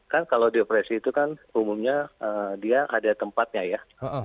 kan kalau dioperasi itu kan umumnya dia ada tempatnya ya